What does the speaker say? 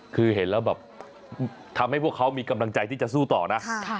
คือเห็นแล้วแบบทำให้พวกเขามีกำลังใจที่จะสู้ต่อนะ